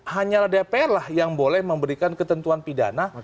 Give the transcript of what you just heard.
hanyalah dpr lah yang boleh memberikan ketentuan pidana